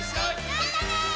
またね！